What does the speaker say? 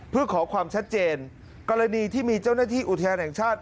เพื่อขอความชัดเจนกรณีที่มีเจ้าหน้าที่อุทยานแห่งชาติ